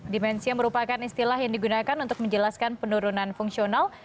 demensia merupakan istilah yang digunakan untuk menjelaskan penurunan fungsional